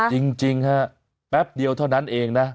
จริงฮะแป๊บเดียวเท่านั้นเองนะ